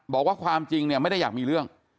บอกว่าความจริงเนี่ยไม่ได้อยากมีเรื่อง